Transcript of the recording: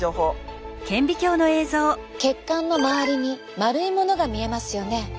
血管の周りに丸いものが見えますよね。